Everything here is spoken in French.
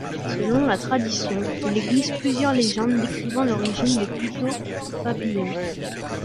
Selon la tradition, il existe plusieurs légendes décrivant l'origine des couteaux papillons.